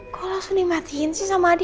kok langsung dimatikan sih sama adi